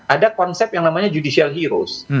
ada konsep yang namanya judicial heroes